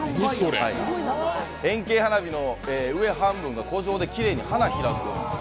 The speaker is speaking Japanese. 円形花火の上半分が湖上できれいに花開く。